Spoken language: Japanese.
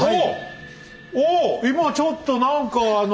今ちょっと何かあの。